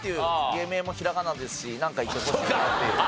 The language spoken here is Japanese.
芸名もひらがなですしなんかいてほしいなっていう。